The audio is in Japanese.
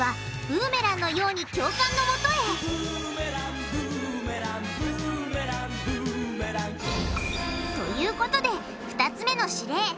ブーメランのように教官のもとへということで２つ目の指令。